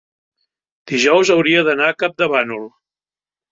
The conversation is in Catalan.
dijous hauria d'anar a Campdevànol.